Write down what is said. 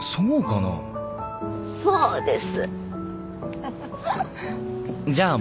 そうです！